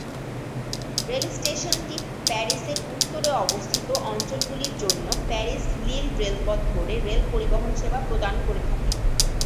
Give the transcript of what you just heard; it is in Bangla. রেলস্টেশনটি প্যারিসের উত্তরে অবস্থিত অঞ্চলগুলির জন্য প্যারিস-লিল রেলপথ ধরে রেল পরিবহন সেবা প্রদান করে থাকে।